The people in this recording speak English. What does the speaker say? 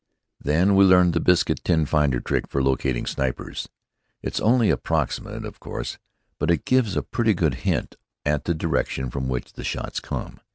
Then we learned the biscuit tin finder trick for locating snipers. It's only approximate, of course, but it gives a pretty good hint at the direction from which the shots come.